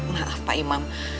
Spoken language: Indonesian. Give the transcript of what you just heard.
maaf pak imam